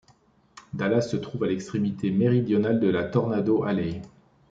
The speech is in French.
Dallas se trouve à l'extrémité méridionale de la Tornado Alley.